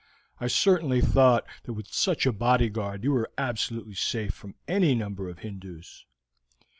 I certainly thought that with such a bodyguard you were absolutely safe from any number of Hindoos."